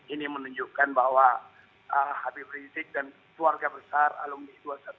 ini menunjukkan bahwa habib rizik dan keluarga besar alumni dua ratus dua belas